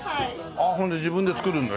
ああほんで自分で作るんだ。